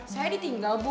saya ditinggal bu